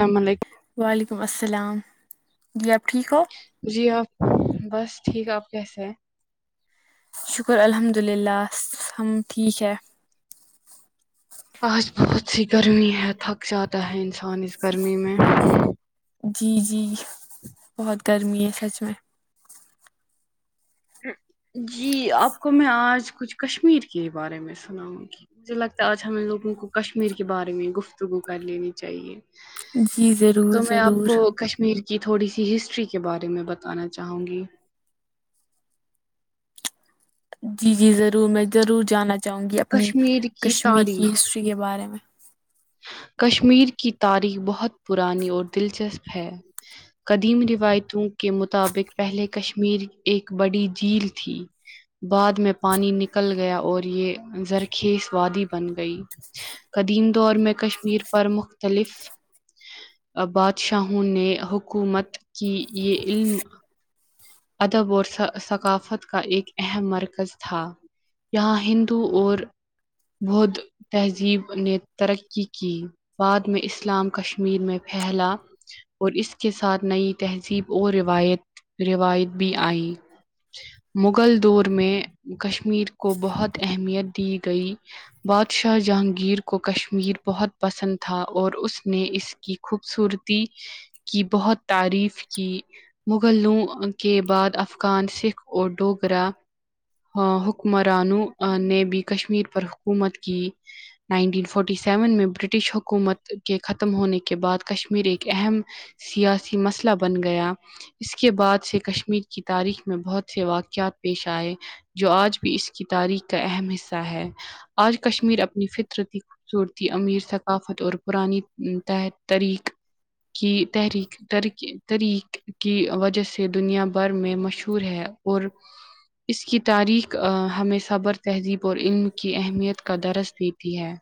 سلام وعلیکم السلام جی آپ ٹھیک ہو جی آپ بس ٹھیک آپ کیسے ہیں شکر الحمد للہ ہم ٹھیک ہے آج بہت سی گرمی ہے تھک جاتا ہے انسان اس گرمی میں جی جی بہت گرمی ہے سچ میں جی آپ کو میں آج کچھ کشمیر کے بارے میں سناؤں گی مجھے لگتا ہے آج ہمیں لوگوں کو کشمیر کے بارے میں گفتگو کر لینی چاہیے جی ضرور تو میں آپ ضرور کو کشمیر کی تھوڑی سی ہسٹری کے بارے میں بتانا چاہوں گی جی جی ضرور میں ضرور جانا چاہوں گی اپنی کشمیر کی کشمیر تاریخ کی ہسٹری کے بارے میں کشمیر کی تاریخ بہت پرانی اور دلچسپ ہے قدیم روایتوں کے مطابق پہلے کشمیر ایک بڑی جھیل تھی ناقابل سماعت بعد میں پانی نکل گیا اور یہ زرک کھیس وادی بن گئی قدیم دور میں کشمیر پر مختلف بادشاہوں نے حکومت کی یہ علم ادب اور ثقافت کا ایک اہم مرکز تھا یہاں ہندو اور بھ تہذیب نے ترقی کی بعد میں اسلام کشمیر میں پھیلا اور اس کے ساتھ نئی تہذیب اور روایت روایت بھی آئی مغل دور میں کشمیر کو بہت اہمیت دی گئی بادشاہ جہانگیر کو کشمیر بہت پسند تھا اور اس نے اس کی خوبصورتی کی بہت تعریف کی مغلوں کے بعد افغان سکھ اور ڈوگرا حکمرانو نے بھی کشمیر پر حکومت کی نائنٹین فورٹی سیون میں برٹش حکومت کے ختم ہونے کے بعد کشمیر ایک اہم سیاسی مسئلہ بن گیا اس کے بعد سے کشمیر کی تاریخ میں بہت سے واقعات پیش آئے جو آج بھی اس کی تاریخ کا اہم حصہ ہے آج کشمیر اپنی فطرتی صورتی امیر ثقافت اور پرانی تریک کی تحریک تری طرق کی وجہ سے دنیا بھر میں مشہور ہے اور اس کی تاریخ ہمیں صبر تہذیب اور علم کی اہمیت کا درس دیتی ہے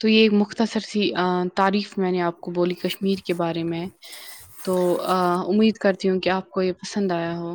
تو یہ ایک مختصر سی تعریف میں نے آپ کو بولی کشمیر کے بارے میں تو امید کرتی ہوں کہ آپ کو یہ پسند آیا ہو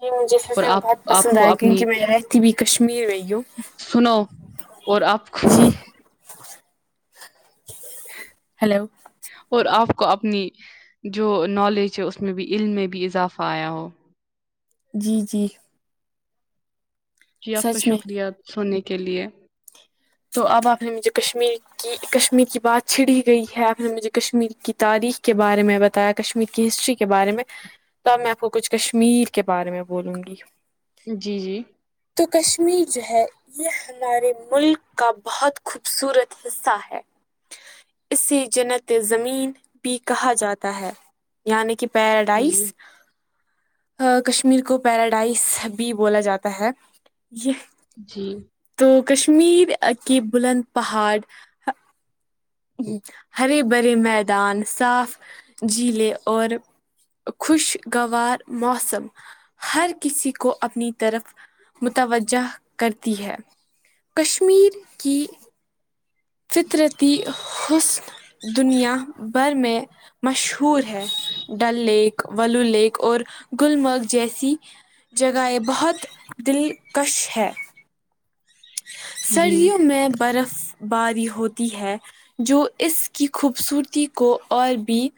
جی مجھے سچ اور میں آپ بہت آپ پسند کو آیا اپنی کیونکہ میں رہتی بھیئی کشمیر میں یوں سنو اور آپ جی ہیلو اور آپ کو اپنی جو نالج ہے اس میں بھی علم میں بھی اضافہ آیا ہو جی جی جی آپ کا سچ میں شکریہ سونے کے لیے تو اب آپ نے مجھے کشمیر کی کشمیر کی بات چھڑی گئی ہے آپ نے مجھے کشمیر کی تاریخ کے بارے میں بتایا کشمیر کی ہسٹری کے بارے میں تب میں آپ کو کچھ کشمیر کے بارے میں بولوں گی جی جی تو کشمیر جو ہے یہ ہمارے ملک کا بہت خوبصورت حصہ ہے اسے جنت زمین بھی کہا جاتا ہے یعنی کہ پیراڈائس جی، کشمیر کو پیراڈائز بھی بولا جاتا ہے یہ جی تو کشمیر کے بلند پہاڑ ہرے بھرے میدان صاف جلیں اور خوشگوار موسم ہر کسی کو اپنی طرف متوجہ کرتی ہے کشمیر کی فطرتی حسن دنیا بھر میں مشہور ہے ڈل لیک ولو لیک اور گلمرگ جیسی جگہ یہ بہت دلکش ہے جی، سردیوں میں برف باری ہوتی ہے جو اس کی خوبصورتی کو اور بھی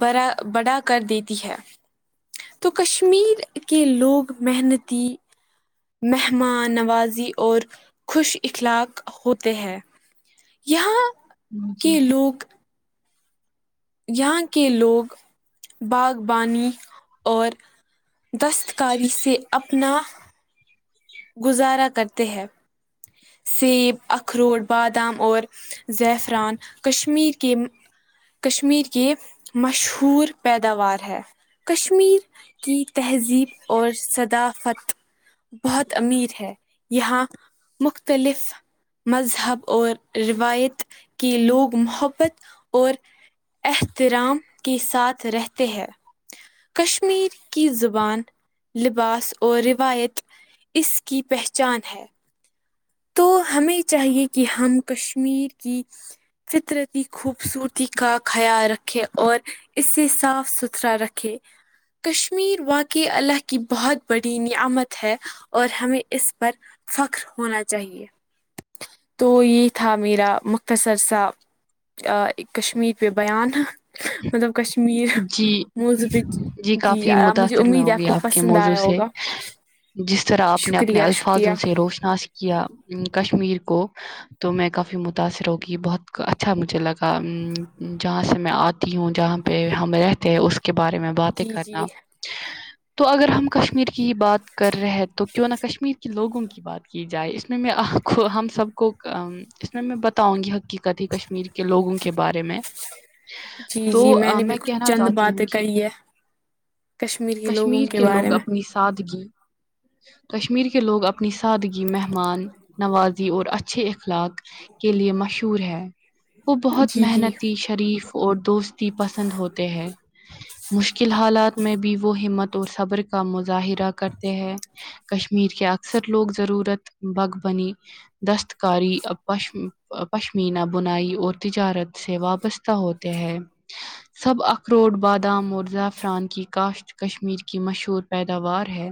بڑا بڑا کر دیتی ہے تو کشمیر کے لوگ محنتی مہمان نوازی اور خوش اخلاق ہوتے ہیں یہاں جی، کے لوگ یہاں کے لوگ باغ بانی اور دستکاری سے اپنا گزارا کرتے ہیں سیب اخروٹ بادام اور زیفران کشمیر کے کشمیر کے مشہور پیداوار ہے کشمیر کی تہذیب اور صثدافت بہت امیر ہے یہاں مختلف مذہب اور روایت کے لوگ محبت اور احترام کے ساتھ رہتے ہیں کشمیر کی زبان لباس اور روایت اس کی پہچان ہے تو ہمیں چاہیے کہ ہم کشمیر کی فطرتی خوبصورتی کا خیال رکھے اور اسے صاف ستھرا رکھے کہ کشمیر واقع اللہ کی بہت بڑی نعمت ہے اور ہمیں اس پر فخر ہونا چاہے تو یہ تھا میرا مختصر سا کشمیر پہ بیان مطلب کشمیر جی، موزبچ جی کافی مجھے متاثر میں امید ہے آپ ہوگئی کو کے پسند موضوع آیا سے۔ ہوگا جس طرح آپ نے اپنے شکریہ الفاظ شکریہ ان سے روشناس کیا کشمیر کو تو میں کافی متاثر ہوگی بہت اچھا مجھے لگا ام جہاں سے میں آتی ہوں جہاں پہ ہم رہتے ہیں اس کے بارے میں باتیں جی جی کرنا تو اگر ہم کشمیر کی ہی بات کر رہے ہیں تو کیوں نہ کشمیر کے لوگوں کی بات کی جائے اس میں مہےآپ کو ہم سب کوکام اس میں بتاؤں گی حقیقت ہی کشمیر کے لوگوں کے بارے میں جی تو جی میں میں آ، نے بھی کچھ کہنا چند چاہتی ہوں باتیں کہ کہی ہے کشمیر کے لوگوں کشمیر کے بارے لوگ میں اپنی سادگی کشمیر کے لوگ اپنی سادگی مہمان نوازی اور اچھے اچھے اخلاق کے لیے مشہور ہے وہ بہت جی جی محنتی شریف اور دوستی پس سند ہوتے ہیں مشکل حالات میں بھی وہ ہمت اور صبر کا مظاہرہ کرتے ہیں کشمیر کے اکثر لوگ ضرورت باغ بنی دستکاری پشم پشمینہ بنائی اور تجارت سے وابست ا ہوتے ہیں سب اخروٹ بادام مرزہ فران کی کاشت کشمیر کی مشہور پیداوار ہے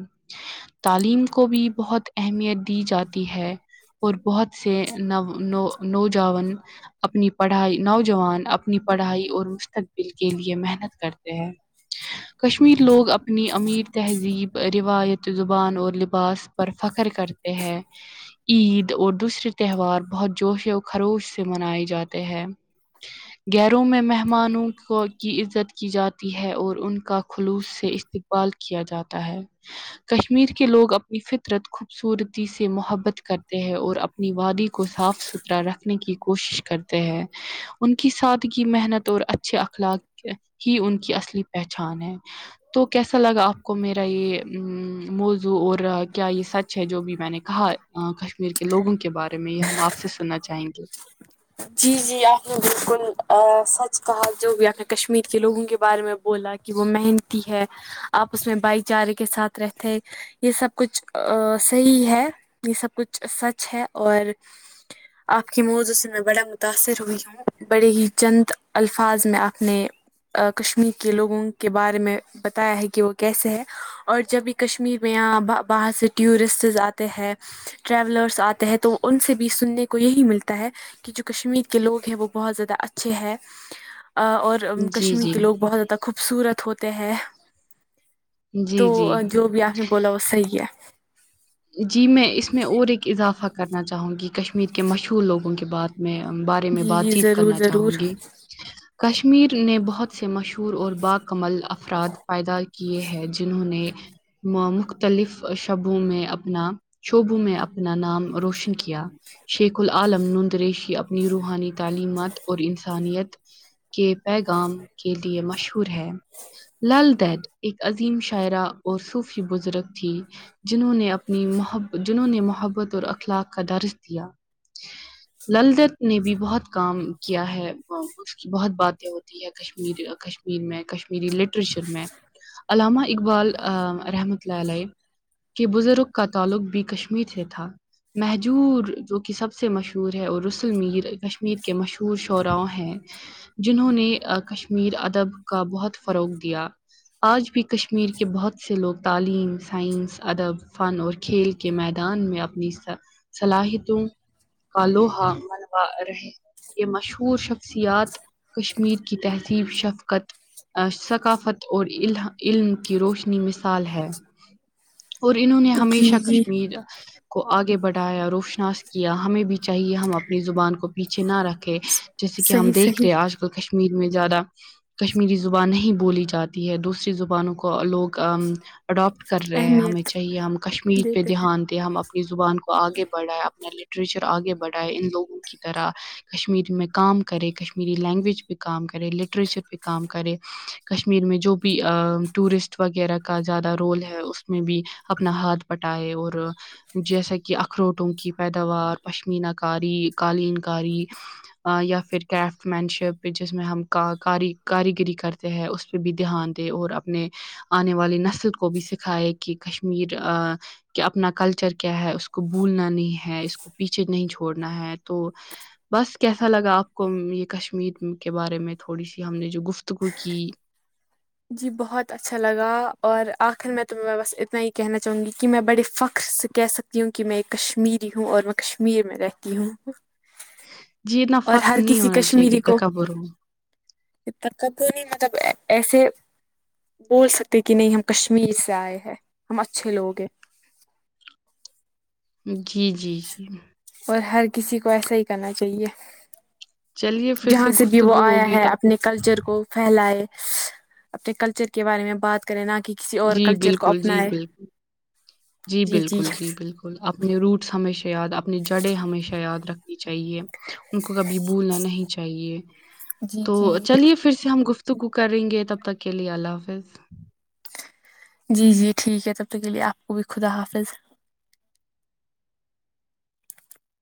تعلیم کو بھی بہت اہمیت دی جاتی ہے اور بہت سے نو نونوجوان اپنی پڑھائی نوجوان اپنی پڑھائی اور مستقبل تگی کے لیے محنت کرتے ہیں کشمیر لوگ اپنی امیر تہذیب روایت زبان اور لباس پر فخر کرتے ہیں عید اور دوسرے تہوار بہت جوش و خروش سے منائے جاتے ہیں گیروں میں مہمانوں کی عزت کی جاتی ہے اور ان کا خلوص سے استقبال کیا جاتا ہے کشمیر کے لوگ اپنی فطرت خوبصورتی سے محبت کرتے ہیں اور اپنی وادی کو صاف ستھرا رکھنے کی کوشش کرتے ہیں ان کی سادگی محنت اور اچھ اچھے اخلاق ہی ان کی اصلی پہچان ہے تو کیسا لگا آپ کو میرا یہ موزو اور کیا یہ سچ ہے جو بھی میں نے کہا کشمیر کے لوگوں کے بارے میں یہ ہم آپ سے سننا چاہیں گے جی جی آپ نے بالکل سچ کہا جو بھی آپ نے کشمیر کے لوگوں کے بارے میں بولا کہ وہ محنتی ہے آپس میں بھائی چارے کے ساتھ رہتے یہ سب کچھ صحیح ہے یہ سب کچھ سچ ہے اور آپ کی موضوں سے نا بڑا متاثر ہوئی ہوں بڑے ہی چند الفاظ میں آپنے کشمیر کے لوگوں کے بارے میں بتایا ہے کہ وہ کیسے ہے اور جب بھی کشمیر میں یہاں باہر سے ٹورسٹز آتے ہیں ٹریولرس آتے ہیں تو ان سے بھی سننے کو یہی ملتا ہے کہ کہ جو کشمیر کے لوگ ہیں وہ بہت زیادہ اچھے ہیں اور جی کشمیر جی کے لوگ بہت زیادہ خوبصورت ہوتے ہیں تو جی جی جو بھی آپ نے بولا وہ صحیح ہے جی میں اس میں اور ایک اضافہ کرنا چاہوں گی کشمیر کے مشہور لوگوں کے بات میں بارے میں جی بات جی چیت ضرور کرنا ضرور چاہوں گی کشمیر نے بہت سے مشہور اور باکمال افراد پیدا کیے ہیں جنہوں نے مامختلف شبوں میں اب اپنا شوبوں میں اپنا نام روشن کیا شیخ العالم نند ریشی اپنی روحانی تعلیمات اور انسانیت کے پیغام کے لیے مشہور ہے لال دیڈ ایک عظیم شاعرہ اور صوفی بزرگ تھی جنہوں نے اپ اپنی محت جنہوں نے محبت اور اخلاق کا درس دیا لل دت نے بھی بہت کام کیا ہے اس کی بہت باتیں ہوتی ہے کشمیر کش میں کشمیر ی لٹریچر ف میں علامہ اقبال رحمۃ اللہ علیہ کہ بزرگ کا تعلق بھی کشمیر سے تھا مہجور جو کہ سب سے مشہور ہے اور رسول میر کشمیر کے مشہور شعرا ہیں جنہوں نے کشمیر ادب کا بہت فروغ دیا آج بھی کشمیر کے بہت سے لوگ تعلیم سائنس ادب فن اور کھیل کے میدان میں اپنی ص صلاحیتوں کا لوہا منوا رہے یہ مشہور شخصیات کشمیر کی تہذیب شفقت ثقافت اور عل علم کی روشنی مثال ہے اور انہوں نے جی ہمیشہ جی کشمیر کو آگے بڑھایا روشناس کیا ہمیں بھی چاہیے ہم اپنی زبان کو پیچھے نہ رکھے جیسے کی ہم صحیح دیکھ رہے ہیں صحیح آج کل کشمیر میں زیادہ کشمیری زبان نہیں بولی جاتی ہے دوسری زبانوں کو لوگ اڈاپٹ کر رہے ہیں ہمیں اہمیت چاہیے ہم کشمیر پے دیتے ہیں دھیان تے ہم اپنی زبان کو آگے بڑھائیں اپنا لٹریچر آگے بڑھائیں ان لوگوں کی طرح کشمیری میں کام کرے کشمیری لینگویج پہ کام کرے لٹریچر پہ کام کرے کشمیر میں جو بھی ٹورسٹ وغیرہ کا زیادہ رول ہے اس میں بھی اپنا ہاتھ پٹائے اور جیسا کہ اخروٹوں کی پیداوار پشمینہ کاری قالین کاری یا پھر کرافٹ مین شپ جس میں ہم کا کاری کاریگری کرتے تے ہے اس پے بھی دھیان دے اور اپنے آنے والی نسل کو بھی سکھائے کی کشمیر آ کہ اپنا کلچر کیا ہے اس کو بھولنا نہیں ہے اس کو پیچھے نہیں چھوڑنا ہے تو بس کیسا لگا آپ کو یے کشمیر کے بارے میں تھوڑی سی ہم نے جو گفتگو کی جی بہت اچھا لگا اور آخر میں تمیں بس اتنا یے کہنا چاہوں گی کی میں بڑے فخر سے کہہ سک تی ہوں کیونکی میں کشمیری ہوں اور میں کشمیر میں رہتی ہوں جی اتنا اور فخر ہر نہیں کسی ہونا چاہیے کی کشمیری کو تکبر ہو تکبر نہیں مطلب ایسے بول سکتے کی نہیں ہم کشمیر سے آئے ہیں ہم اچھے لوگ ہیں جی جی جی اور ہر کسی کو ایسا ہی کرنا چاہیے چلیے پھر جہاں سے بھی وہ گفتگو آیا ہوگی ہے تب اپنے کلچر کو پھیلائے اپنے کلچر کے بارے میں بات کریں نہ کی کسی اور جی کلچر کو بالکل جی اپنائے بالکل جی بالکل جی بالکل اپنے روٹس ہمیشہ یاد اپنی جڑیں ہمیشہ یاد رکھنی چاہیے ان کو کبھی بھولنا نہیں چاہیے جی تو جی چلیے پھر سے ہم گفتگو کریں گے تب تک کے لیے اللہ حافظ جی جی ٹھیک ہے تب تک کے لیے آپ کو بھی خدا حافظ